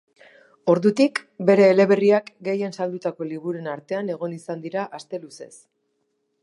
Ordutik, bere eleberriak gehien saldutako liburuen artean egon izan dira aste luzez.